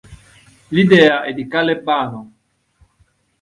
L'idea è di Calebbano.